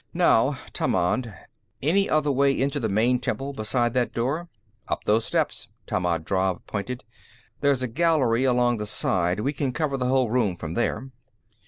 "Now, Tammand; any other way into the main temple beside that door?" "Up those steps," Tammand Drav pointed. "There's a gallery along the side; we can cover the whole room from there."